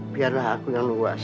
biarlah aku yang luasa